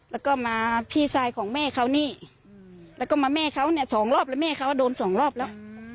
แล้วก็มาพี่ชายของแม่เขานี่แล้วก็มาแม่เขาเนี่ยสองรอบแล้วแม่เขาโดนสองรอบแล้ว